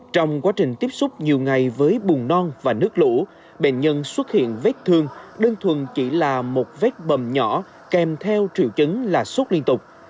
trong quá trình tiếp xúc nhiều ngày với bùng non và nước lũ bệnh nhân xuất hiện vết thương đơn thuần chỉ là một vết bầm nhỏ kèm theo triệu chứng là sốt liên tục